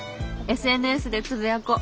ＳＮＳでつぶやこう。